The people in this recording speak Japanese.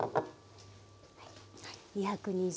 ２２０